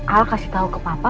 al kasih tahu ke papa